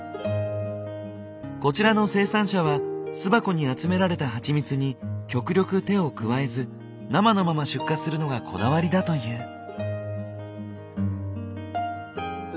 こちらの生産者は巣箱に集められたハチミツに極力手を加えず生のまま出荷するのがこだわりだという。